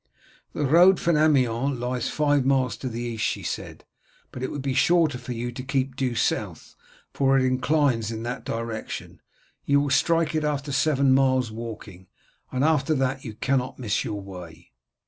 "The road from Amiens lies five miles to the east," she said; "but it would be shorter for you to keep due south, for it inclines in that direction. You will strike it after seven miles' walking, and after that you cannot miss your way."